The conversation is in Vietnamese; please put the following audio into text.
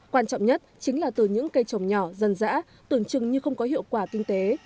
quan trọng nhất chính là từ những cây trồng nhỏ dân dã tưởng chừng như không có hiệu quả kinh tế